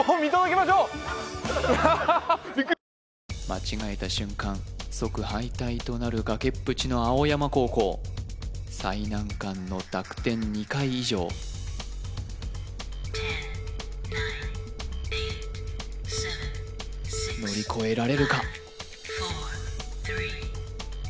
間違えた瞬間即敗退となる崖っぷちの青山高校最難関の濁点２回以上乗り越えられるか？